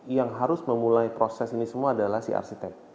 yang harus memulai proses ini semua adalah si arsitek